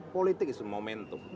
politik itu momentum